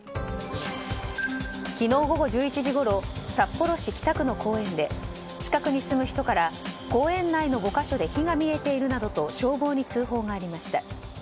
昨日午後１１時ごろ札幌市北区の公園で近くに住む人から公園内の５か所で火が見えているなどと消防に通報がありました。